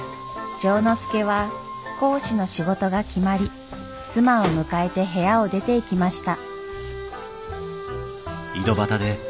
丈之助は講師の仕事が決まり妻を迎えて部屋を出ていきました。